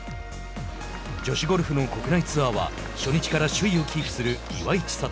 女子ゴルフの国内ツアーは初日から首位をキープする岩井千怜。